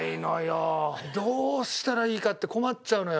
どうしたらいいかって困っちゃうのよ。